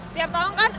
tiap tahun kan